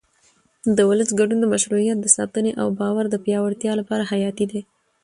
د ولس ګډون د مشروعیت د ساتنې او باور د پیاوړتیا لپاره حیاتي دی